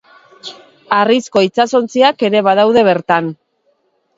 Harrizko itsasontziak ere badaude bertan.